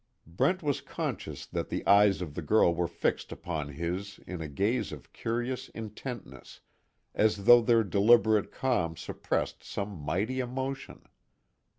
Brent was conscious that the eyes of the girl were fixed upon his in a gaze of curious intentness, as though their deliberate calm suppressed some mighty emotion.